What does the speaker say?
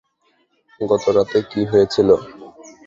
গতরাতে কী হয়েছিল?